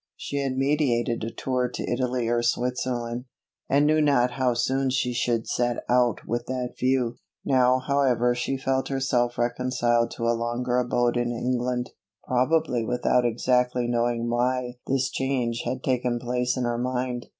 She had meditated a tour to Italy or Switzerland, and knew not how soon she should set out with that view. Now however she felt herself reconciled to a longer abode in England, probably without exactly knowing why this change had taken place in her mind.